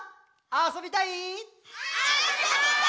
あそびたい！